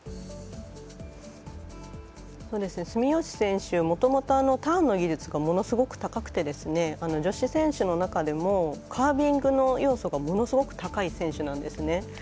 住吉選手はもともとターンの技術がものすごく高くて女子選手の中でもカービングの要素がものすごく高い選手なんですね。